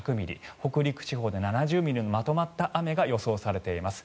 北陸地方で７０ミリのまとまった雨が予想されています。